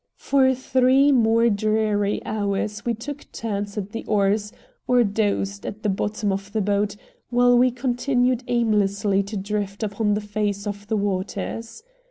For three more dreary hours we took turns at the oars or dozed at the bottom of the boat while we continued aimlessly to drift upon the face of the waters.